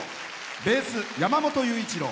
ベース、山本優一郎。